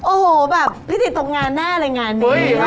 โอ้โหแบบพิธีตกงานแน่เลยงานนี้